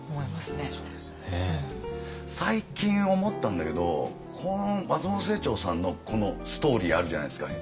最近思ったんだけどこの松本清張さんのこのストーリーあるじゃないですか。